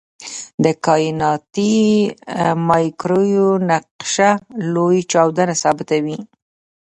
د کائناتي مایکروویو نقشه لوی چاودنه ثابتوي.